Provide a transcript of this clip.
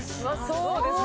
そうですね。